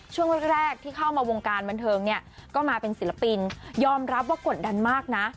ช่วงแรกที่เข้ามาวงการบันเทิงเนี่ยก็มาเป็นศิลปินยอมรับว่ากดดันมากนะ